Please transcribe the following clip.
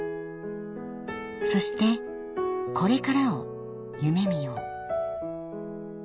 ［そしてこれからを夢見よう］